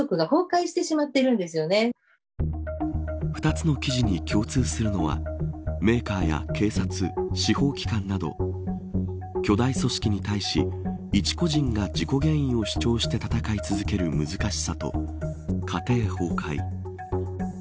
２つの記事に共通するのはメーカーや警察、司法機関など巨大組織に対し一個人が事故原因を主張して戦い続ける難しさと家庭崩壊。